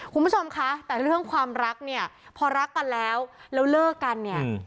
คุณผู้ชมคะแต่เรื่องความรักเนี่ยพอรักกันแล้วแล้วเลิกกันเนี่ย